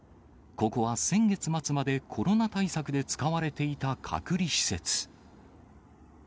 ここは先月末までコロナ対策で使われていた隔離施設。